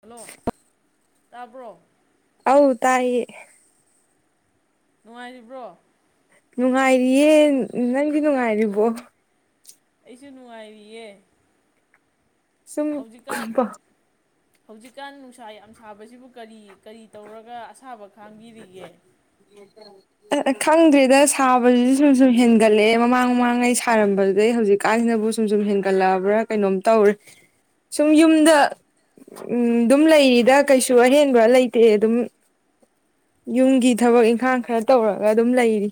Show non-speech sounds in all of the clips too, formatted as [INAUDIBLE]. hello ꯇꯥꯕ꯭ꯔꯣ ꯑꯧ ꯇꯥꯏꯌꯦ ꯅꯨꯡꯉꯥꯏꯔꯤꯕ꯭ꯔꯣ ꯅꯨꯡꯉꯥꯏꯔꯤꯌꯦ ꯅꯪꯗꯤ ꯅꯨꯡꯉꯥꯏꯔꯤꯕꯣ ꯑꯩꯁꯨ ꯅꯨꯡꯉꯥꯏꯔꯤꯌꯦ ꯁꯨꯝ ꯍꯧꯖꯤꯛꯀꯥꯟ ꯈꯝꯄ ꯍꯧꯖꯤꯛꯀꯥꯟ ꯅꯨꯡꯁꯥ ꯌꯥꯝ ꯁꯥꯕꯁꯤꯕꯨ ꯀꯔꯤ ꯀꯔꯤ ꯇꯧꯔꯒ ꯑꯁꯥꯕ ꯈꯥꯡꯕꯤꯔꯤꯒꯦ ꯑ ꯈꯪꯗ꯭ꯔꯦꯗ ꯁꯥꯕꯁꯤꯁꯨ ꯁꯨꯝ ꯁꯨꯝ ꯍꯦꯟꯒꯠꯂꯦ ꯃꯃꯥꯡ ꯃꯃꯥꯡꯉꯩ ꯁꯥꯔꯝꯕꯗꯨꯗꯩ ꯍꯧꯖꯤꯛꯀꯥꯟꯁꯤꯅꯕꯨ ꯁꯨꯝ ꯁꯨꯝ ꯍꯦꯟꯒꯠꯂꯛꯑꯕ꯭ꯔꯥ ꯀꯩꯅꯣꯝ ꯇꯧꯔꯦ ꯁꯨꯝ ꯌꯨꯝꯗ ꯎ ꯑꯗꯨꯝ ꯂꯩꯔꯤꯗ ꯀꯩꯁꯨꯝ ꯑꯍꯦꯟꯕ ꯂꯩꯇꯦ ꯑꯗꯨꯝ ꯌꯨꯝꯒꯤ ꯊꯕꯛ ꯏꯪꯈꯥꯡ ꯈꯔ ꯇꯧꯔꯒ ꯑꯗꯨꯝ ꯂꯩꯔꯤ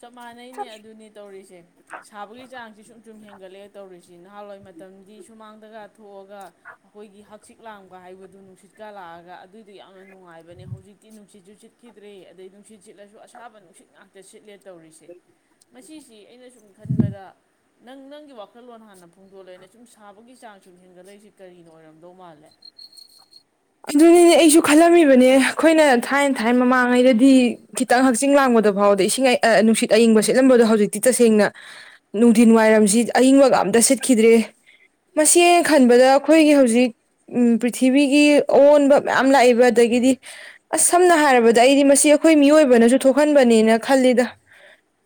ꯆꯞ ꯃꯥꯟꯅꯩꯅꯦ ꯑꯗꯨꯅꯦ ꯇꯧꯔꯤꯁꯦ ꯁꯥꯕꯒꯤ ꯆꯥꯡꯁꯦ ꯁꯨꯝ ꯁꯨꯝ ꯍꯦꯟ ꯒꯛꯑꯦ ꯇꯧꯔꯤꯁꯤ ꯅꯍꯥꯟꯋꯥꯏ ꯃꯇꯝꯗꯤ ꯁꯨꯃꯥꯡꯗꯒ ꯊꯣꯛꯑꯒ ꯑꯩꯈꯣꯏꯒꯤ ꯍꯛꯆꯤꯛ ꯂꯥꯡꯕ ꯍꯥꯏꯕꯗꯨ ꯅꯨꯡꯁꯤꯠꯀ ꯂꯥꯛꯑꯒ ꯑꯗꯨꯏꯗꯨ ꯌꯥꯝꯅ ꯅꯨꯡꯉꯥꯏꯕꯅꯦ ꯍꯧꯖꯤꯛꯇꯤ ꯅꯨꯡꯁꯤꯠꯁꯨ ꯁꯤꯠꯈꯤꯗ꯭ꯔꯦ ꯑꯗꯩ ꯅꯨꯡꯁꯤꯠ ꯁꯤꯠꯂꯁꯨ ꯑꯁꯥꯕ ꯅꯨꯡꯁꯤꯠ ꯉꯥꯛꯇ ꯁꯤꯠꯂꯦ ꯇꯧꯔꯤꯁꯦ ꯃꯁꯤꯁꯤ ꯑꯩꯅ ꯁꯨꯝ ꯈꯟꯕꯗ ꯅꯪ ꯅꯪꯒꯤ ꯋꯥꯈꯜꯂꯣꯟ ꯍꯥꯟꯅ ꯐꯣꯡꯗꯣꯛꯂꯣꯅꯦ ꯁꯨꯝ ꯁꯥꯕꯒꯤ ꯆꯥꯡ ꯁꯨꯝ ꯍꯦꯟꯒꯠꯂꯛꯏꯁꯦ ꯀꯔꯤꯅ ꯑꯣꯏꯔꯝꯗꯧ ꯃꯥꯜꯂꯦ ꯑꯗꯨꯅꯤꯅꯦ ꯑꯩꯁꯨ ꯈꯜꯂꯝꯃꯤꯕꯅꯦ ꯑꯩꯈꯣꯏꯅ ꯊꯥꯏꯅ ꯊꯥꯏꯅ ꯃꯃꯥꯡꯉꯩꯗꯗꯤ ꯈꯤꯠꯇꯪ ꯍꯛꯆꯤꯡ ꯂꯥꯡꯕꯗ ꯐꯥꯎꯗ ꯏꯁꯤꯡ ꯑꯦ ꯅꯨꯡꯁꯤꯠ ꯑꯌꯤꯡꯕ ꯁꯤꯠꯂꯝꯕꯗꯣ ꯍꯧꯖꯤꯛꯇꯤ ꯇꯁꯦꯡꯅ ꯅꯨꯡꯗꯤꯟ ꯋꯥꯏꯔꯝꯁꯤ ꯑꯌꯤꯡꯕꯒ ꯑꯝꯇ ꯁꯤꯠꯈꯤꯗ꯭ꯔꯦ ꯃꯁꯤ ꯑꯩꯅ ꯈꯟꯕꯗ ꯑꯩꯈꯣꯏꯒꯤ ꯍꯧꯖꯤꯛ ꯄ꯭ꯔꯤꯊꯤꯕꯤꯒꯤ ꯑꯑꯣꯟꯕ ꯃꯌꯥꯝ ꯂꯥꯛꯏꯕ ꯑꯗꯒꯤꯗꯤ ꯑꯁ ꯁꯝꯅ ꯍꯥꯏꯔꯕꯗ ꯑꯩꯗꯤ ꯃꯁꯤ ꯑꯩꯈꯣꯏ ꯃꯤꯑꯣꯏꯕꯅꯁꯨ ꯊꯣꯛꯍꯟꯕꯅꯦꯅ ꯈꯜꯂꯤꯗ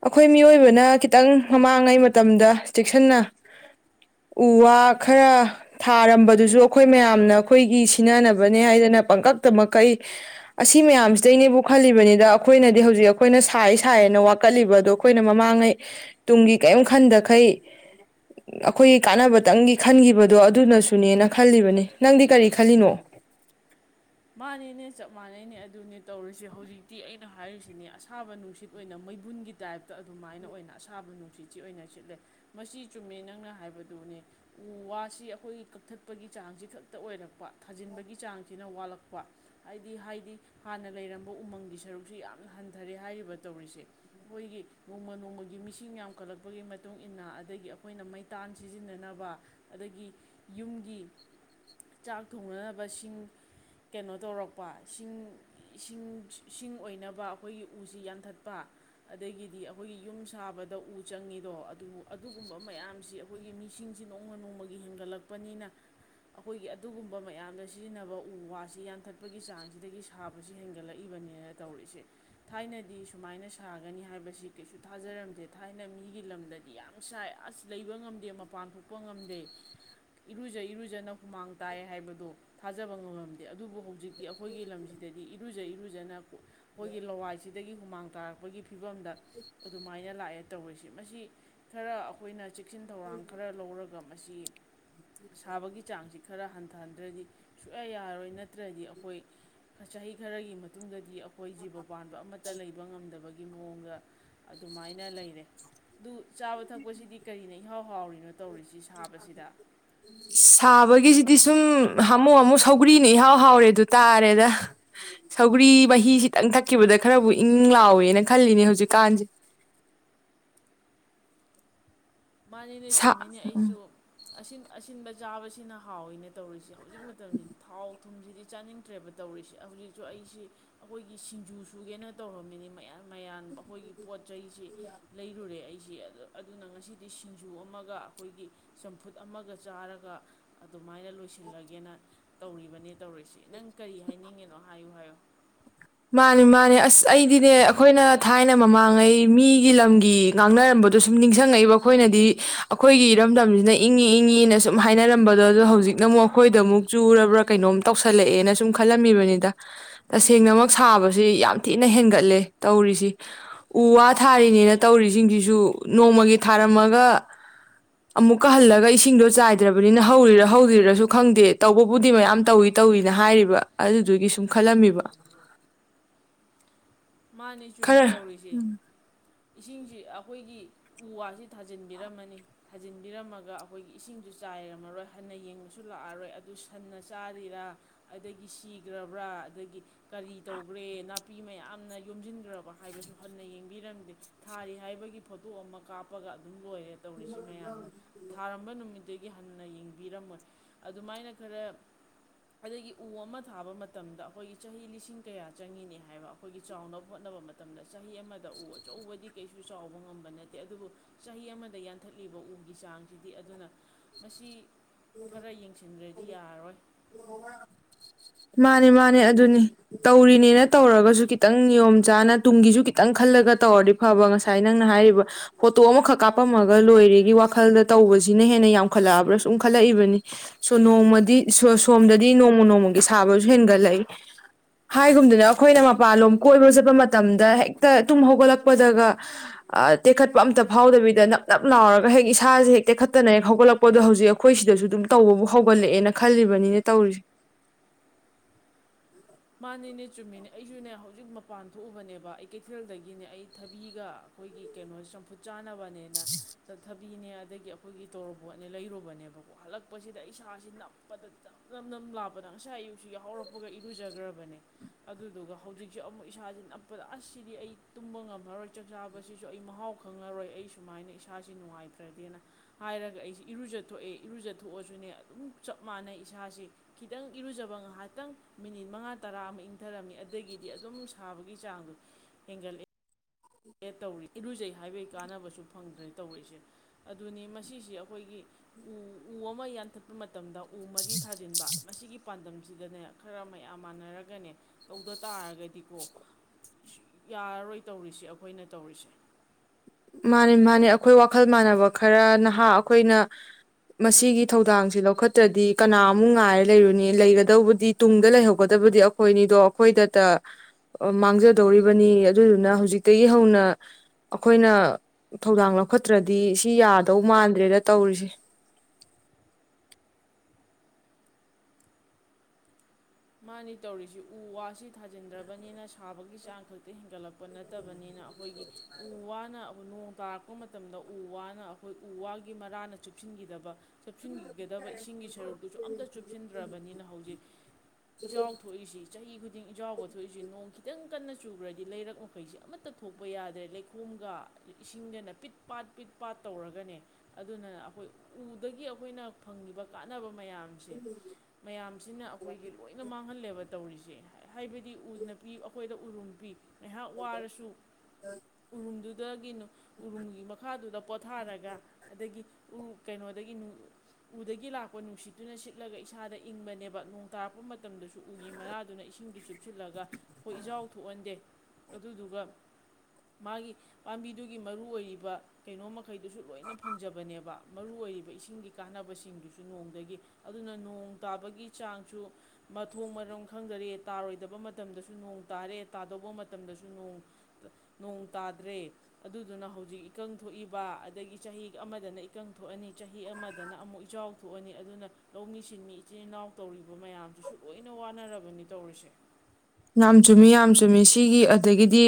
ꯑꯩꯈꯣꯏ ꯃꯤꯑꯣꯏꯕꯅ ꯈꯤꯠꯇꯪ ꯃꯃꯥꯡꯉꯩ ꯃꯇꯝꯗ ꯆꯦꯛꯁꯤꯟꯅ ꯎ ꯋꯥ ꯈꯔ ꯊꯥꯔꯝꯕꯗꯨꯖꯨ ꯑꯩꯈꯣꯏ ꯃꯌꯥꯝꯅ ꯑꯩꯈꯣꯏꯒꯤ ꯁꯤꯅꯅꯕꯅꯦ ꯍꯥꯏꯗꯅ ꯄꯪꯀꯛꯇ ꯃꯈꯩ ꯑꯁꯤ ꯃꯌꯥꯝꯁꯤꯗꯩꯅꯦꯕꯨ ꯈꯜꯂꯤꯕꯅꯤꯗ ꯑꯩꯈꯣꯏꯅꯗꯤ ꯍꯧꯖꯤꯛ ꯑꯩꯈꯣꯏꯅ ꯁꯥꯏ ꯁꯥꯏꯌꯦꯅ ꯋꯥꯀꯠꯂꯤꯕꯗꯣ ꯑꯩꯈꯣꯏꯅ ꯃꯃꯥꯡꯉꯩ ꯇꯨꯡꯒꯤ ꯀꯔꯤꯝ ꯈꯟꯗꯈꯩ ꯑꯩꯈꯣꯏꯒꯤ ꯀꯥꯟꯅꯕꯇꯪꯒꯤ ꯈꯟꯈꯤꯕꯗꯣ ꯑꯗꯨꯅꯁꯨꯅꯦꯅ ꯈꯜꯂꯤꯕꯅꯤ ꯅꯪꯗꯤ ꯀꯔꯤ ꯈꯜꯂꯤꯅꯣ ꯃꯥꯅꯦꯅꯦ ꯆꯞ ꯃꯥꯟꯅꯩꯅꯦ ꯑꯗꯨꯅꯦ ꯇꯧꯔꯤꯁꯦ ꯍꯧꯖꯤꯛꯇꯤ ꯑꯩꯅ ꯍꯥꯏꯔꯤꯁꯤꯅꯦ ꯑꯁꯥꯕ ꯅꯨꯡꯁꯤꯠ ꯑꯣꯏꯅ ꯃꯩꯕꯨꯟꯒꯤ ꯇꯥꯏꯞꯇ ꯑꯗꯨꯃꯥꯏꯅ ꯑꯣꯏꯅ ꯑꯁꯥꯕ ꯅꯨꯡꯁꯤꯠꯁꯤ ꯑꯣꯏꯅ ꯁꯤꯠꯂꯦ ꯃꯁꯤ ꯆꯨꯝꯃꯦ ꯅꯪꯅ ꯍꯥꯏꯕꯗꯨꯅꯦ ꯎ ꯋꯥꯁꯤ ꯑꯩꯈꯣꯏꯒꯤ ꯀꯛꯊꯠꯄꯒꯤ ꯆꯥꯡꯁꯤ ꯈꯛꯇ ꯑꯣꯏꯔꯛꯄ ꯊꯥꯖꯤꯟꯕꯒꯤ ꯆꯥꯡꯁꯤꯅ ꯋꯥꯠꯂꯛꯄ ꯀꯣ ꯍꯥꯏꯗꯤ ꯍꯥꯏꯗꯤ ꯍꯥꯟꯅ ꯂꯩꯔꯝꯕ ꯎꯃꯪꯒꯤ ꯁꯔꯨꯛꯁꯤ ꯌꯥꯝ ꯍꯟꯊꯔꯦ ꯍꯥꯏꯔꯤꯕ ꯇꯧꯔꯤꯁꯦ ꯑꯩꯈꯣꯏꯒꯤ ꯅꯣꯡꯃ ꯅꯣꯡꯃꯒꯤ ꯃꯤꯁꯤꯡ ꯌꯥꯝꯈꯠꯂꯛꯄꯒꯤ ꯃꯇꯨꯡ ꯏ ꯃꯇꯨꯡꯏꯟꯅ ꯑꯗꯒꯤ ꯑꯩꯈꯣꯏꯅ ꯃꯩꯇꯥꯟ ꯁꯤꯖꯤꯟꯅꯅꯕ ꯑꯗꯒꯤ ꯌꯨꯝꯒꯤ ꯆꯥꯛ ꯊꯣꯡꯅꯅꯕ ꯁꯤꯡ ꯀꯩꯅꯣ ꯇꯧꯔꯛꯄ ꯏꯁꯤꯡ ꯏꯁꯤꯡ ꯏꯁꯤꯡ ꯑꯣꯏꯅꯕ ꯑꯩꯈꯣꯏꯒꯤ ꯎꯁꯤ ꯌꯥꯟꯊꯠꯄ ꯑꯗꯒꯤꯗꯤ ꯑꯩꯈꯣꯏꯒꯤ ꯌꯨꯝ ꯁꯥꯕꯗ ꯎ ꯆꯪꯉꯤꯗꯣ ꯑꯗꯨ ꯑꯗꯨꯒꯨꯝꯕ ꯃꯌꯥꯝꯁꯤ ꯑꯩꯈꯣꯏꯒꯤ ꯃꯤꯁꯤꯡꯁꯤ ꯅꯣꯡꯃ ꯅꯣꯡꯃꯒꯤ ꯍꯦꯟꯒꯠꯂꯛꯄꯅꯤꯅ ꯑꯩꯈꯣꯏꯒꯤ ꯑꯗꯨꯒꯨꯝꯕ ꯃꯌꯥꯝꯗ ꯁꯤꯖꯤꯟꯅꯕ ꯎ ꯋꯥ ꯑꯁꯤ ꯌꯥꯟꯊꯠꯄꯒꯤ ꯆꯥꯡꯁꯤꯗꯒꯤ ꯁꯥꯕꯁꯤ ꯍꯦꯟꯒꯠꯂꯛꯏꯕꯅꯦꯅ ꯇꯧꯔꯛꯁꯦ ꯊꯥꯏꯅꯗꯤ ꯁꯨꯃꯥꯏꯅ ꯁꯥꯒꯅꯤ ꯍꯥꯏꯕꯁꯤ ꯀꯩꯁꯨ ꯊꯥꯖꯔꯝꯗꯦ ꯊꯥꯏꯅ ꯃꯤꯒꯤ ꯂꯝꯗꯗꯤ ꯌꯥꯝ ꯁꯥꯏ ꯑꯁ ꯂꯩꯕ ꯉꯝꯗꯦ ꯃꯄꯥꯟ ꯊꯣꯛꯄ ꯉꯝꯗꯦ ꯏꯔꯨꯖ ꯏꯔꯨꯖꯅ ꯍꯨꯃꯥꯡ ꯇꯥꯏ ꯍꯥꯏꯕꯗꯣ ꯊꯥꯖꯕ ꯉꯝꯃꯝꯗꯦ ꯑꯦ ꯑꯗꯨꯕꯨ ꯍꯧꯖꯤꯛ ꯑꯩꯈꯣꯏꯒꯤ ꯂꯝꯁꯤꯗꯗꯤ ꯏꯔꯨ ꯐꯨꯖ ꯏꯔꯨꯖꯅ ꯑꯩꯈꯣꯏꯒꯤ ꯂꯋꯥꯏꯁꯤꯗꯒꯤ ꯍꯨꯃꯥꯡ ꯇꯥꯔꯛꯄꯒꯤ ꯐꯤꯕꯝꯗ ꯑꯗꯨꯃꯥꯏꯅ ꯂꯥꯛꯑꯦ ꯇꯧꯔꯤꯔꯤꯁꯤ ꯃꯁꯤ ꯈꯔ ꯑꯩꯈꯣꯏꯅ ꯆꯦꯛꯁꯤꯟ ꯊꯧꯔꯥꯡ ꯈꯔ ꯂꯧꯔꯒ ꯃꯁꯤ ꯁꯥꯕꯒꯤ ꯆꯥꯡꯁꯤ ꯈꯔ ꯍꯟꯊꯍꯟꯗ꯭ꯔꯗꯤ ꯁꯨꯛꯌꯥ ꯌꯥꯔꯣꯏ ꯅꯠꯇ꯭ꯔꯗꯤ ꯑꯩꯈꯣꯏ ꯆꯍꯤ ꯈꯔꯒꯤ ꯃꯇꯨꯡꯗꯗꯤ ꯑꯩꯈꯣꯏ ꯖꯤꯕ ꯄꯥꯟꯕ ꯑꯃꯠꯇ ꯂꯩꯕ ꯉꯝꯗꯕꯒꯤ ꯃꯑꯣꯡꯗ ꯑꯗꯨꯃꯥꯏꯅ ꯂꯩꯔꯦ ꯑꯗꯨ ꯆꯥꯕ ꯊꯛꯄꯁꯤꯗꯤ ꯀꯔꯤꯅ ꯏꯍꯥꯎ ꯍꯥꯎꯔꯤꯅꯣ ꯇꯧꯔꯤꯁꯤ ꯁꯥꯕꯁꯤꯗ ꯁꯥꯕꯒꯤꯁꯤꯗꯤ ꯁꯨꯝ ꯍꯥꯃꯨꯛ ꯍꯥꯃꯨꯛ ꯁꯧꯒ꯭ꯔꯤꯅ ꯏꯍꯥꯎ ꯍꯥꯎꯔꯦ ꯑꯗꯨ ꯇꯥꯔꯦꯗ ꯁꯧꯒ꯭ꯔꯤ ꯃꯍꯤ ꯈꯤꯇꯪ ꯊꯛꯈꯤꯕꯗ ꯈꯔꯕꯨ ꯏꯪ ꯂꯥꯎꯋꯦꯅ ꯈꯜꯂꯤꯅꯦ ꯍꯧꯖꯤꯛꯀꯥꯟꯁꯦ ꯃꯥꯅꯤꯅꯦ ꯁꯥ ꯆꯨꯝꯃꯤꯅꯦ ꯑꯩꯁꯨ ꯑꯁꯤꯟꯕ ꯆꯥꯕꯁꯤꯅ ꯍꯥꯎꯅ ꯇꯧꯔꯤꯁꯤ ꯍꯧꯖꯤꯛ ꯃꯇꯝꯁꯤꯗꯤ ꯊꯥꯎ ꯊꯨꯝꯁꯤꯗꯤ ꯆꯥꯅꯤꯡꯗ꯭ꯔꯦꯕ ꯇꯧꯔꯤꯁꯤꯦ ꯍꯧꯖꯤꯛꯁꯨ ꯑꯩꯁꯤ ꯑꯩꯈꯣꯏꯒꯤ ꯁꯤꯡꯖꯨ ꯁꯨꯒꯦꯅ ꯇꯧꯔꯝꯃꯤꯅꯤ ꯃꯌꯥꯝ ꯃꯌꯥꯝ ꯑꯩꯈꯣꯏꯒꯤ ꯄꯣꯠ ꯆꯩꯁꯤ ꯂꯩꯔꯨꯔꯦ ꯑꯩ ꯁꯤ ꯑ ꯑꯗꯨꯅ ꯉꯁꯤ ꯗꯤ ꯁꯤꯡꯖꯨ ꯑꯃꯒ ꯑꯩꯈꯣꯏꯒꯤ ꯆꯝꯐꯨꯠ ꯑꯃꯒ ꯆꯥꯔꯒ ꯑꯗꯨꯃꯥꯏꯅ ꯂꯣꯏꯁꯤꯜꯂꯒꯦꯅ ꯇꯧꯔꯤꯕꯅꯤꯅ ꯇꯧꯔꯤꯁꯤ ꯅꯪ ꯀꯔꯤ ꯍꯥꯏꯅꯤꯡꯉꯤꯅꯣ ꯍꯥꯏꯌꯨ ꯍꯥꯏꯌꯨ ꯃꯥꯅꯦ ꯃꯥꯅꯦ ꯑꯁ ꯑꯩꯗꯤꯅꯦ ꯑꯩꯈꯣꯏꯅ ꯊꯥꯏꯅ ꯃꯃꯥꯡꯉꯩ ꯃꯤꯒꯤ ꯂꯝꯒꯤ ꯉꯥꯡꯅꯔꯝꯕꯗꯣ ꯁꯨꯝ ꯅꯤꯡꯁꯤꯡꯉꯛꯏꯕ ꯑꯩꯈꯣꯏꯅꯗꯤ ꯑꯩꯈꯣꯏꯒꯤ ꯏꯔꯝꯗꯝꯁꯤꯅ ꯏꯪꯉꯤ ꯏꯪꯉꯤꯅ ꯁꯨꯝ ꯍꯥꯏꯅꯔꯝꯕꯗꯣ ꯑꯗꯣ ꯍꯧꯖꯤꯛꯅ ꯑꯃꯨꯛ ꯑꯩꯈꯣꯏꯗ ꯑꯃꯨꯛ ꯆꯨꯔꯕ꯭ꯔꯥ ꯀꯩꯅꯣꯝ ꯇꯧꯁꯜꯂꯛꯑꯦꯅ ꯁꯨꯝ ꯈꯜꯂꯝꯃꯤꯕꯅꯤꯗ ꯇꯁꯦꯡꯅꯃꯛ ꯁꯥꯕꯁꯤ ꯌꯥꯝ ꯊꯤꯅ ꯍꯦꯟꯒꯠꯂꯦ ꯇꯧꯔꯤꯁꯤ ꯎ ꯋꯥ ꯊꯥꯔꯤꯅꯤꯅ ꯇꯧꯔꯤꯁꯤꯡꯁꯤꯁꯨ ꯅꯣꯡꯃꯒꯤ ꯊꯥꯔꯝꯃꯒ ꯑꯃꯨꯛꯀ ꯍꯜꯂꯒ ꯏꯁꯤꯡꯗꯣ ꯆꯥꯏꯗ꯭ꯔꯕꯅꯤꯅ ꯍꯧꯔꯤꯔ ꯍꯧꯗ꯭ꯔꯤꯔꯁꯨ ꯈꯪꯗꯦ ꯇꯧꯕꯕꯨꯗꯤ ꯃꯌꯥꯝ ꯇꯧꯏꯤ ꯇꯧꯏꯤꯅ ꯍꯥꯏꯔꯤꯕ ꯑꯗꯨꯗꯨꯒꯤ ꯁꯨꯝ ꯈꯜꯂꯝꯃꯤꯕ ꯃꯥꯅꯦ ꯆꯨꯝꯃꯤ ꯈꯔ ꯇꯧꯔꯤꯁꯦꯅꯦ ꯏꯁꯤꯡꯁꯤ ꯑꯩꯈꯣꯏꯒꯤ ꯎ ꯋꯥꯁꯤ ꯊꯥꯖꯤꯟꯕꯤꯔꯝꯃꯅꯤ ꯊꯥꯖꯤꯟꯕꯤꯔꯝꯃꯒ ꯑꯩꯈꯣꯏꯒꯤ ꯏꯁꯤꯡꯁꯨ ꯆꯥꯏꯔꯝꯃꯔꯣꯏ ꯍꯟꯅ ꯌꯦꯡꯕꯁꯨ ꯂꯥꯛꯑꯔꯣꯏ ꯑꯗꯨ ꯁꯟꯅ ꯆꯥꯔꯤꯔꯥ ꯑꯗꯒꯤ ꯁꯤꯈ꯭ꯔꯕ꯭ꯔꯥ ꯑꯗꯒꯤ ꯀꯔꯤ ꯇꯧꯈ꯭ꯔꯦ ꯅꯥꯄꯤ ꯃꯌꯥꯝꯅ ꯌꯣꯝꯁꯤꯟꯈ꯭ꯔꯕ ꯍꯥꯏꯕꯁꯨ ꯍꯟꯅ ꯌꯦꯡꯕꯤꯔꯝꯗꯦ ꯊꯥꯔꯤ ꯍꯥꯏꯕꯒꯤ ꯐꯣꯇꯣ ꯑꯃ ꯀꯥꯞꯄꯒ ꯑꯗꯨꯝ ꯂꯣꯏꯔꯦ ꯇꯧꯔꯤꯁꯤ ꯃꯌꯥꯝꯅ ꯊꯥꯔꯝꯕ ꯅꯨꯃꯤꯠ ꯁꯤꯒꯤ ꯍꯟꯅ ꯌꯦꯡꯕꯤꯔꯝꯃꯣꯏ ꯑꯗꯨꯃꯥꯏꯅ ꯈꯔ ꯑꯗꯒꯤ ꯎ ꯑꯃ ꯊꯥꯕ ꯃꯇꯝꯗ ꯑꯩꯈꯣꯏꯒꯤ ꯆꯍꯤ ꯂꯤꯁꯤꯡ ꯀꯌꯥ ꯆꯪꯉꯤꯅꯦ ꯍꯥꯏꯕ ꯑꯩꯈꯣꯏꯒꯤ ꯆꯥꯎꯅꯕ ꯍꯣꯠꯅꯕ ꯃꯇꯝꯗ ꯆꯍꯤ ꯑꯃꯗ ꯎ ꯑꯆꯧꯕꯗꯤ ꯀꯩꯁꯨ ꯆꯥꯎꯕ ꯉꯝꯕ ꯅꯠꯇꯦ ꯑꯗꯨꯕꯨ ꯆꯍꯤ ꯑꯃꯗ ꯌꯥꯟꯊꯠꯂꯤꯕ ꯎꯒꯤ ꯆꯥꯡꯁꯤꯗꯤ ꯑꯗꯨꯅ ꯃꯁꯤ ꯈꯔ ꯌꯦꯡꯁꯤꯟꯈ꯭ꯔꯗꯤ ꯌꯥꯔꯔꯣꯏ ꯃꯥꯅꯦ ꯃꯥꯅꯦ ꯑꯗꯨꯅꯤ ꯇꯧꯔꯤꯅꯤꯅ ꯇꯧꯔꯒꯁꯨ ꯈꯤꯇꯪ ꯅꯤꯌꯣꯝ ꯆꯥꯅ ꯇꯨꯡꯒꯤꯁꯨ ꯈꯤꯇꯪ ꯈꯜꯂꯒ ꯇꯧꯔꯗꯤ ꯐꯕ ꯉꯁꯥꯏ ꯅꯪꯅ ꯍꯥꯏꯔꯤꯕ ꯐꯣꯇꯣ ꯑꯃꯈꯛ ꯀꯥꯞꯄꯝꯃꯒ ꯂꯣꯏꯔꯤꯒꯤ ꯋꯥꯈꯜꯗ ꯇꯧꯕꯁꯤꯅ ꯍꯦꯟꯅ ꯌꯥꯝꯈꯠꯂꯛꯑꯕ꯭ꯔꯥ ꯁꯨꯝ ꯈꯜꯂꯛꯏꯕꯅꯤ ꯁꯣ ꯅꯣꯡꯃꯗꯤ ꯁꯣꯝꯗꯗꯤ ꯅꯣꯡꯃ ꯅꯣꯡꯃꯒꯤ ꯁꯥꯕꯁꯨ ꯍꯦꯟꯒꯠꯂꯛꯏ ꯍꯥꯏꯒꯨꯝꯗꯅ ꯑꯩꯈꯣꯏꯅ ꯃꯄꯥꯟꯂꯣꯝ ꯀꯣꯏꯕ ꯆꯠꯄ ꯃꯇꯝꯗ ꯍꯦꯛꯇ ꯇꯨꯝ ꯍꯧꯒꯠꯂꯛꯄꯗꯒ ꯇꯦꯛꯈꯠꯄ ꯑꯝꯇ ꯐꯥꯎꯗꯕꯤꯗ ꯅꯞ ꯅꯞ ꯂꯥꯎꯔꯒ ꯍꯦꯛ ꯏꯁꯥꯁꯦ ꯍꯦꯛ ꯇꯦꯛꯈꯠꯇꯅ ꯍꯦꯛ ꯍꯧꯒꯠꯂꯛꯄꯗꯣ ꯍꯧꯖꯤꯛ ꯑꯩꯈꯣꯏ ꯁꯤꯗꯁꯨ ꯑꯗꯨꯝ ꯇꯧꯕꯕꯨ ꯍꯧꯒꯠꯂꯛꯑꯦꯅ ꯈꯜꯂꯤꯕꯅꯤꯅ ꯇꯧꯔꯤ ꯃꯥꯅꯦꯅꯦ ꯆꯨꯝꯃꯤꯅꯦ ꯑꯩꯁꯨꯅꯦ ꯍꯧꯖꯤꯛ ꯃꯄꯥꯟ ꯊꯣꯛꯎꯕꯅꯦꯕ ꯑꯩ ꯀꯩꯊꯦꯜꯗꯒꯤꯅꯦ ꯑꯩ ꯊꯕꯤꯒ ꯑꯩꯈꯣꯏꯒꯤ ꯀꯩꯅꯣꯁꯦ ꯆꯝꯐꯨꯠ ꯆꯥꯅꯕꯅꯦꯅꯊꯕꯤꯅꯦ ꯑꯗꯒꯤ ꯑꯩꯈꯣꯏꯒꯤ ꯇꯧꯔꯄꯣꯠꯅꯦ ꯂꯩꯔꯨꯕꯅꯦꯕꯀꯣ ꯍꯜꯂꯛꯄꯁꯤꯗ ꯑꯩ ꯏꯁꯁꯤꯦ ꯅꯞꯄꯗ ꯅꯝ ꯅꯝ ꯅꯝ ꯂꯥꯞꯄꯗ ꯉꯁꯥꯏ ꯑꯌꯨꯛꯁꯤ ꯌꯥꯎ ꯍꯧꯔꯛꯄꯒ ꯏꯔꯨ ꯆꯖꯈ꯭ꯔꯕꯅꯦ ꯑꯗꯨꯗꯨꯒ ꯍꯧꯖꯤꯛꯁꯦ ꯑꯃꯨꯛ ꯏꯁꯥꯁꯦ ꯅꯞꯄꯗ ꯑꯁꯤꯗꯤ ꯑꯩ ꯇꯨꯝꯕ ꯉꯝꯃꯔꯣꯏ ꯆꯥꯛ ꯆꯥꯕꯁꯤꯁꯨ ꯑꯩ ꯃꯍꯥꯎ ꯈꯪꯉꯔꯣꯏ ꯑꯩ ꯁꯨꯃꯥꯏꯅ ꯏꯁꯥꯁꯤ ꯅꯨꯡꯉꯥꯏꯇ꯭ꯔꯗꯦꯅ ꯍꯥꯏꯔꯒ ꯑꯩꯁꯤ ꯏꯔꯨꯖꯊꯣꯛꯑꯦ ꯏꯔꯨꯖꯊꯣꯛꯑꯁꯨꯅꯦ ꯑꯗꯨꯝ ꯆꯞ ꯃꯥꯟꯅꯩ ꯏꯁꯥꯁ ꯈꯤꯇꯪ ꯏꯔꯨꯖꯕ ꯉꯥꯏꯍꯥꯛꯇꯪ ꯃꯤꯅꯤꯠ ꯃꯉꯥ ꯇꯔꯥ ꯑꯃ ꯏꯪꯊꯔꯝꯃꯤ ꯑꯗꯒꯤꯗꯤ ꯑꯗꯨꯝ ꯁꯥꯕꯒꯤ ꯆꯥꯡꯗꯣ ꯍꯦꯟꯒꯠꯂꯛꯑꯦ ꯇꯧꯔꯤ ꯏꯔꯨꯖꯩ ꯍꯥꯏꯕꯒꯤ ꯀꯥꯟꯅꯕꯁꯨ ꯐꯪꯗ꯭ꯔꯦ ꯇꯧꯔꯤꯁꯦ ꯑꯗꯨꯅꯤ ꯃꯁꯤꯁꯦ ꯑꯩꯈꯣꯏꯒꯤ ꯎ ꯎ ꯑꯃ ꯌꯥꯟꯊꯠꯄ ꯃꯇꯝꯗ ꯎ ꯃꯔꯤ ꯊꯥꯖꯤꯟꯕ ꯃꯁꯤꯒꯤ ꯄꯥꯟꯗꯝꯁꯤꯗꯅꯦ ꯈꯔ ꯃꯌꯥꯝ ꯃꯥꯟꯅꯔꯒꯅꯦ ꯇꯧꯗ ꯇꯥꯔꯒꯗꯤꯀꯣ ꯌꯥꯔꯔꯣꯏ ꯇꯧꯔꯤꯁꯦ ꯑꯩ ꯑꯩꯈꯣꯏꯅ ꯇꯧꯔꯤꯁꯦ ꯃꯥꯅꯤ ꯃꯥꯅꯦ ꯑꯩꯈꯣꯏ ꯋꯥꯈꯜ ꯃꯥꯟꯅꯕ ꯈꯔ ꯅꯍꯥ ꯑꯩꯈꯣꯏꯅ ꯃꯁꯤꯒꯤ ꯊꯧꯗꯥꯡꯁꯦ ꯂꯧꯈꯠꯇ꯭ꯔꯗꯤ ꯀꯅꯥꯃꯨꯛ ꯉꯥꯏꯔ ꯂꯩꯔꯨꯅꯤ ꯂꯩꯒꯗꯧꯕꯗꯤ ꯇꯨꯡꯗ ꯂꯩꯍꯧꯒꯗꯕꯗꯤ ꯑꯩꯈꯣꯏꯅꯤꯗꯣ ꯑꯩꯈꯣꯏꯗꯇ ꯃꯥꯡꯖꯗꯧꯔꯤꯕꯅꯤ ꯑꯗꯨꯗꯨꯅ ꯍꯧꯖꯤꯛꯇꯒꯤ ꯍꯧꯅ ꯑꯩꯈꯣꯏꯅ ꯊꯧꯗꯥꯡ ꯂꯧꯈꯠꯇ꯭ꯔꯗꯤ ꯁꯤ ꯌꯥꯗꯧ ꯃꯥꯟꯗ꯭ꯔꯦꯅ ꯇꯧꯔꯤꯁꯦ ꯃꯥꯅꯤ ꯇꯧꯔꯤꯁꯤ ꯎ ꯋꯥꯁꯤ ꯊꯥꯖꯤꯟꯗ꯭ꯔꯕꯅꯤꯅ ꯁꯥꯕꯒꯤ ꯆꯥꯡ ꯈꯛꯇ ꯍꯦꯟꯒꯠꯂꯛꯄ ꯅꯠꯇꯕꯅꯤꯅ ꯑꯩꯈꯣꯏꯒꯤ ꯎ ꯋꯥꯅ ꯅꯣꯡ ꯇꯥꯔꯛꯄ ꯃꯇꯝꯗ ꯎ ꯋꯥꯅ ꯑꯩꯈꯣꯏ ꯎ ꯋꯥꯒꯤ ꯃꯔꯥꯅ ꯆꯨꯞꯁꯤꯟꯈꯤꯗꯕ ꯆꯨꯞꯁꯤꯟꯈꯤꯒꯗꯕ ꯏꯁꯤꯡꯒꯤ ꯁꯔꯨꯛꯇꯨꯁꯨ ꯑꯝꯇ ꯆꯨꯞꯁꯤꯟꯗ꯭ꯔꯕꯅꯤꯅ ꯍꯧꯖꯤꯛ ꯏ ꯌꯥꯎ ꯊꯣꯛꯏꯁꯤ ꯆꯍꯤ ꯈꯨꯗꯤꯡ ꯌꯥꯎꯕ ꯊꯣꯛꯏꯁꯤ ꯅꯣꯡ ꯈꯤꯇꯪ ꯈꯤꯇꯪ ꯀꯟꯅ ꯆꯨꯈ꯭ꯔꯗꯤ ꯂꯩꯔꯛ ꯃꯈꯩꯁꯦ ꯑꯃꯠꯇ ꯊꯣꯛꯄ ꯌꯥꯗ꯭ꯔꯦ ꯂꯩꯈꯣꯝꯒ ꯏꯁꯤꯡꯗꯅ ꯄꯤꯠ ꯄꯥꯠ ꯄꯤꯠ ꯄꯥꯠ ꯇꯧꯔꯒꯅꯦ ꯑꯗꯨꯅ ꯑꯩꯈꯣꯏ ꯎꯗꯒꯤ ꯑꯩꯈꯣꯏꯅ ꯐꯪꯉꯤꯕ ꯀꯥꯟꯅꯕ ꯃꯌꯥꯝꯁꯦ ꯃꯌꯥꯝꯁꯤꯅ ꯑꯩꯈꯣꯏꯒꯤ ꯃꯥꯡꯍꯜꯂꯦꯕ ꯇꯧꯔꯤꯁꯦ ꯍꯥꯏꯕꯗꯤ ꯎ ꯅꯨ ꯄꯄꯤ ꯑꯩꯈꯣꯏꯗ ꯎꯔꯨꯝꯕꯤ ꯉꯥꯏꯍꯥꯛ ꯋꯥꯔꯁꯨ ꯎꯂꯨꯗꯨ ꯗꯗꯒꯤꯅꯨ ꯎꯔꯨꯝꯒꯤ ꯃꯈꯥꯗꯨꯗ ꯄꯣꯊꯥꯔꯒ ꯑꯗꯒꯤ ꯎ ꯀꯩꯅꯣꯗꯒꯤ ꯎꯗꯒꯤ ꯂꯥꯛꯄ ꯅꯨꯡꯁꯤꯠꯇꯨꯅ ꯁꯤꯠꯂꯒ ꯏꯁꯥꯗ ꯏꯪꯕꯅꯦꯕ ꯅꯣꯡꯇꯥ ꯊꯥꯛꯄ ꯃꯇꯝꯗꯁꯨ ꯎꯒꯤ ꯃꯔꯥꯗꯨꯅ ꯏꯁꯤꯡꯗꯨ ꯆꯨꯞꯁꯤꯜꯂꯒ ꯑꯩꯈꯣꯏ ꯏꯖꯥꯎ ꯊꯣꯛꯍꯟꯗꯦ ꯑꯗꯨꯗꯨꯒ ꯃꯥꯒꯤ ꯄꯥꯝꯕꯤꯗꯨꯒꯤ ꯃꯔꯨ ꯑꯣꯏꯔꯤꯕ ꯀꯩꯅꯣꯃꯩꯗꯨꯁꯨ ꯂꯣꯏꯅ ꯐꯪꯖꯕꯅꯦꯕ ꯃꯔꯨ ꯑꯣꯏꯔꯤꯕ ꯏꯁꯤꯡꯒꯤ ꯀꯥꯟꯅꯕꯁꯤꯡꯗꯨꯁꯨ ꯅꯣꯡꯗꯒꯤ ꯑꯗꯨꯅ ꯅꯣꯡ ꯇꯥꯕꯒꯤ ꯆꯥꯡꯁꯨ ꯃꯊꯣꯡ ꯃꯔꯝ ꯈꯪꯖꯔꯦ ꯇꯥꯔꯣꯏꯗꯕ ꯃꯇꯝꯗꯁꯨ ꯅꯣꯡ ꯇꯥꯔꯦ ꯇꯥꯗꯧꯕ ꯃꯇꯝꯗꯁꯨ ꯅꯣꯡ ꯇꯥꯗ꯭ꯔꯦ ꯑꯗꯨꯗꯨꯅ ꯍꯧꯖꯤꯛ ꯏꯀꯪ ꯊꯣꯛꯏꯕ ꯑꯗꯒꯤ ꯆꯍꯤ ꯑꯃꯗꯅ ꯏꯀꯪ ꯊꯣꯛꯑꯅꯤ ꯆꯍꯤ ꯑꯃꯗꯅ ꯑꯃꯨꯛ ꯏꯆꯥꯎ ꯊꯣꯛꯑꯅꯤ ꯑꯗꯨꯅ ꯂꯧꯃꯤ ꯁꯤꯟꯃꯤ ꯏꯆꯤꯜ ꯏꯅꯥꯎ ꯇꯧꯔꯤꯕ ꯃꯌꯥꯝ ꯑꯗꯨꯁꯨ ꯂꯣꯏꯅ ꯋꯥꯅꯔꯕꯅꯤ ꯇꯧꯔꯤꯁꯦ ꯌꯥꯝ ꯆꯨꯝꯃꯤ ꯌꯥꯝ ꯆꯨꯝꯃꯤ ꯁꯤꯒꯤ ꯑꯗꯒꯤꯗꯤ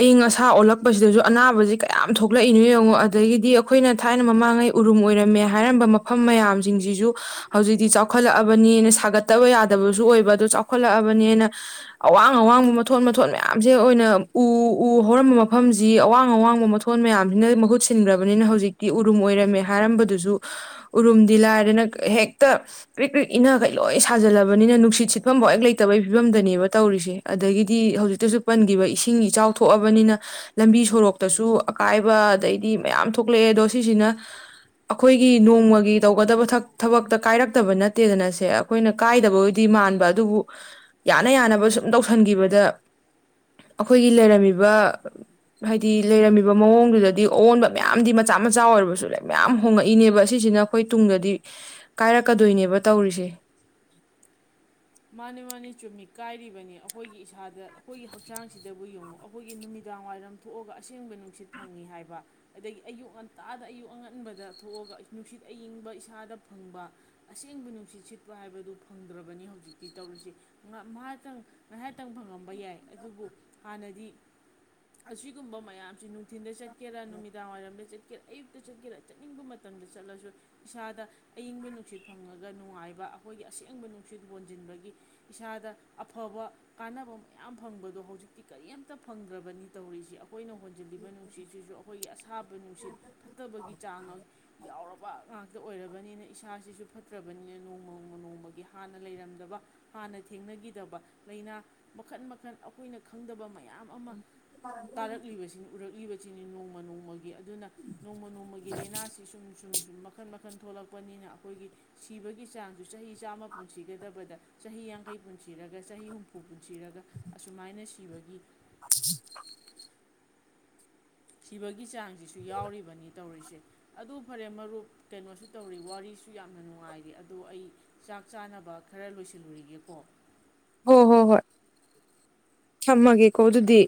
ꯑꯏꯪ ꯑꯁꯥ ꯑꯣꯜꯂꯛꯄꯁꯤꯗꯁꯨ ꯑꯅꯥꯕꯁꯤ ꯀꯌꯥꯝ ꯊꯣꯛꯂꯛꯏꯅꯣ ꯌꯦꯡꯉꯣ ꯑꯗꯒꯤꯗꯤ ꯑꯩꯈꯣꯏꯅ ꯊꯥꯏꯅ ꯃꯃꯥꯡꯉꯩ ꯎꯔꯨꯝ ꯑꯣꯏꯔꯝꯃꯦ ꯍꯥꯏꯔꯝꯕ ꯃꯐꯝ ꯃꯌꯥꯝꯁꯤꯡꯁꯤꯁꯨ ꯍꯧꯖꯤꯛꯇꯤ ꯆꯥꯎꯈꯠꯂꯛꯑꯕꯅꯤꯅ ꯁꯥꯒꯠꯇꯕ ꯌꯥꯗꯕꯁꯨ ꯑꯣꯏꯕ ꯑꯗꯨ ꯆꯥꯎꯈꯠꯂꯛꯑꯕꯅꯤꯅ ꯑꯋꯥꯡ ꯑꯋꯥꯡꯕ ꯃꯊꯣꯟ ꯃꯊꯣꯟ ꯃꯌꯥꯝꯁꯦ ꯑꯣꯏꯅ ꯎ ꯎ ꯍꯧꯔꯝꯕ ꯃꯐꯝꯁꯤ ꯑꯋꯥꯡ ꯑꯋꯥꯡꯕ ꯃꯊꯣꯟ ꯃꯌꯥꯝꯁꯤꯅ ꯃꯍꯨꯠ ꯁꯤꯟꯈ꯭ꯔꯕꯅꯤꯅ ꯍꯧꯖꯤꯛꯇꯤ ꯎꯔꯨꯝ ꯑꯣꯏꯔꯝꯃꯦ ꯍꯥꯏꯔꯝꯕꯗꯨꯁꯨ ꯎꯔꯨꯝꯗꯤ ꯂꯥꯏꯔꯅ ꯍꯦꯛꯇ ꯀ꯭ꯔꯤꯛ ꯀ꯭ꯔꯤꯛ ꯏꯅ ꯀꯩ ꯂꯣꯏ ꯁꯥꯖꯜꯂꯕꯅꯤꯅ ꯅꯨꯡꯁꯤꯠ ꯁꯤꯠꯐꯝꯐꯥꯎ ꯍꯦꯛ ꯂꯩꯇꯕꯩ ꯐꯤꯕꯝꯗꯅꯦꯕ ꯇꯧꯔꯤꯁꯦ ꯑꯗꯒꯤꯗꯤ ꯍꯧꯖꯤꯛꯇꯁꯨ ꯄꯟꯈꯤꯕ ꯏꯁꯤꯡ ꯏꯆꯥꯎ ꯊꯣꯛꯑꯕꯅꯤꯅ ꯂꯝꯕꯤ ꯁꯣꯔꯣꯛꯇꯁꯨ ꯑꯀꯥꯏꯕ ꯑꯗꯩꯗꯤ ꯃꯌꯥꯝ ꯊꯣꯛꯂꯛꯑꯦ ꯑꯗꯣ ꯁꯤꯁꯤꯅ ꯑꯩꯈꯣꯏꯒꯤ ꯅꯣꯡꯃꯒꯤ ꯇꯧꯒꯗꯕ ꯊꯕꯛꯇ ꯀꯥꯏꯔꯛꯇꯕ ꯅꯠꯇꯦꯗꯅ ꯁꯦ ꯑꯩꯈꯣꯏꯅ ꯀꯥꯏꯗꯕꯕꯨꯗꯤ ꯃꯥꯟꯕ ꯑꯗꯨꯕꯨ ꯌꯥꯅ ꯌꯥꯅꯕ ꯁꯨꯝ ꯇꯧꯁꯤꯟꯈꯤꯕꯗ ꯑꯩꯈꯣꯏꯒꯤ ꯂꯩꯔꯝꯃꯤꯕ ꯍꯥꯏꯗꯤ ꯂꯩꯔꯝꯃꯤꯕ ꯃꯑꯣꯡꯗꯨꯗꯗꯤ ꯑꯑꯣꯟꯕ ꯃꯌꯥꯝꯗꯤ ꯃꯆꯥ ꯃꯆꯥ ꯑꯣꯏꯔꯕꯁꯨ ꯂꯥꯏ ꯃꯌꯥꯝ ꯍꯣꯉꯛꯏꯅꯦꯕ ꯑꯁꯤꯁꯤꯅ ꯑꯩꯈꯣꯏ ꯇꯨꯡꯗꯗꯤ ꯀꯥꯏꯔꯛꯀꯗꯣꯏꯅꯦꯕ ꯇꯧꯔꯤꯁꯦ ꯃꯥꯅꯦ ꯃꯥꯅꯦ ꯆꯨꯝꯃꯤ ꯀꯥꯏꯔꯤꯕꯅꯤ ꯑꯩꯈꯣꯏꯒꯤ ꯏꯁꯥꯗ ꯑꯩꯈꯣꯏꯒꯤ ꯍꯛꯆꯥꯡꯁꯤꯗꯕꯨ ꯌꯦꯡꯉꯨ ꯑꯩꯈꯣꯏꯒꯤ ꯅꯨꯃꯤꯗꯥꯡ ꯋꯥꯏꯔꯝ ꯊꯣꯛꯑꯒ ꯑꯁꯦꯡꯕ ꯅꯨꯡꯁꯤꯠ ꯐꯪꯉꯤ ꯍꯥꯏꯕ ꯑꯗꯒꯤ ꯑꯌꯨꯛ ꯉꯟꯇꯥꯗ ꯑꯌꯨꯛ ꯑꯉꯟꯕꯗ ꯊꯣꯛꯑꯒ ꯅꯨꯡꯁꯤꯠ ꯑꯌꯤꯡꯕ ꯏꯁꯥꯗ ꯐꯪꯕ ꯑꯁꯦꯡꯕ ꯅꯨꯡꯁꯤꯠ ꯁꯤꯠꯄ ꯍꯥꯏꯕꯗꯨ ꯐꯪꯗ꯭ꯔꯕꯅꯤ ꯍꯧꯖꯤꯛ ꯇꯤ ꯇꯧꯔꯤꯨꯁꯦ ꯉꯥꯏꯍꯥꯛꯇꯪ ꯉꯥꯏꯍꯥꯛꯇꯪ ꯐꯪꯉꯝꯕ ꯌꯥꯏ ꯑꯗꯨꯕꯨ ꯍꯥꯟꯅꯗꯤ ꯑꯁꯤꯒꯨꯝꯕ ꯃꯌꯥꯝꯁꯤ ꯇꯊꯤꯟꯗ ꯆꯠꯀꯦꯥ ꯅꯨꯃꯤꯗꯥꯡꯋꯥꯏꯔꯝꯗ ꯆꯠꯀꯦꯔꯥ ꯑꯌꯨꯛꯇ ꯆꯠꯀꯦꯔ ꯆꯠꯅꯤꯡꯕ ꯃꯇꯝꯗ ꯆꯠꯂꯁꯨ ꯏꯁꯥꯗ ꯑꯏꯪꯕ ꯅꯨꯡꯁꯤꯠ ꯐꯪꯉꯒ ꯅꯨꯡꯉꯥꯏꯕ ꯑꯩꯈꯣꯏꯒꯤ ꯑꯁꯦꯡꯕ ꯅꯨꯡꯁꯤꯠ ꯍꯣꯟ ꯊꯖꯤꯟꯕꯒꯤ ꯏꯁꯥꯗ ꯑꯐꯕ ꯀꯥꯟꯅꯕ ꯃꯌꯥꯝ ꯐꯪꯕꯗꯣ ꯍꯧꯖꯤꯛꯇꯤ ꯀꯔꯤꯝꯇ ꯐꯪꯗ꯭ꯔꯕꯅꯤ ꯇꯧꯔꯤꯁꯤ ꯑꯩꯈꯣꯏꯅ ꯍꯣꯟꯖꯤꯜꯂꯤꯕ ꯅꯨꯡꯁꯤꯠꯁꯤꯁꯨ ꯑꯩꯈꯣꯏꯒꯤ ꯑꯁꯥꯕ ꯅꯨꯡꯁꯤꯠ ꯐꯠꯇꯕꯒꯤ ꯆꯥꯡ ꯌꯥꯎꯔꯕ ꯉꯥꯛꯇ ꯑꯣꯏꯔꯕꯅꯤꯅ ꯏꯁꯥꯁꯤꯁꯨ ꯐꯠꯇ꯭ꯔꯕꯅꯤꯅ ꯅꯣꯡꯃ ꯅꯣꯡꯃ ꯅꯣꯡꯃꯒꯤ ꯍꯥꯟꯅ ꯂꯩꯔꯝꯃꯦ ꯍꯥꯟꯅ ꯊꯦꯡꯅꯈꯤꯗꯕ ꯂꯥꯏꯅꯥ ꯃꯈꯜ ꯃꯈꯟ ꯑꯩꯈꯣꯏꯅ ꯈꯪꯗꯕ ꯃꯌꯥꯝ ꯃꯌꯥꯝ ꯑꯃ ꯇꯥꯔꯛꯂꯤꯕꯁꯤꯡ ꯎꯔꯛꯂꯤꯕ ꯁꯤꯅꯤ ꯅꯣꯡꯃ ꯅꯣꯡꯃꯒꯤ ꯑꯗꯨꯅ ꯅꯣꯡꯃ ꯅꯣꯡꯃꯒꯤ ꯂꯥꯏꯅꯥꯁꯤ ꯁꯨꯝ ꯁꯨꯝ ꯁꯨꯝ ꯃꯈꯟ ꯃꯈꯜ ꯃꯈꯟ ꯊꯣꯛꯂꯛꯄꯅꯤꯅ ꯑꯩꯈꯣꯏꯒꯤ ꯁꯤꯕꯒꯤ ꯆꯥꯡꯁꯨ ꯆꯍꯤ ꯆꯥꯝꯃ ꯄꯨꯟꯁꯤꯒꯗꯕ ꯆꯍꯤ ꯌꯥꯡꯈꯩ ꯄꯨꯟꯁꯤꯔꯒ ꯆꯍꯤ ꯍꯨꯝꯐꯨ ꯄꯨꯟꯁꯤꯔꯒ ꯑꯁꯨꯃꯥꯏꯅ ꯁꯤꯕꯒꯤ [UNINTELLIGIBLE] ꯁꯤꯕꯒꯤ ꯆꯥꯡ ꯁꯤꯁꯨ ꯌꯥꯎꯔꯤꯕꯅꯤ ꯇꯧꯔꯤꯁꯦ ꯑꯗꯨ ꯐꯔꯦ ꯃꯔꯨꯞ ꯀꯩꯅꯣꯁꯨ ꯇꯧꯔꯤ ꯋꯥꯔꯤꯁꯨ ꯌꯥꯝꯅ ꯅꯨꯡꯉꯥꯏꯔꯤ ꯑꯗꯣ ꯑꯩ ꯆꯥꯛ ꯆꯥꯅꯕ ꯈꯔ ꯂꯣꯏꯁꯤꯜꯂꯨꯔꯤꯒꯦꯀꯣ ꯍꯣꯏ ꯍꯣ ꯍꯣꯏ ꯊꯝꯃꯒꯦꯀꯣ ꯑꯗꯨꯗꯤ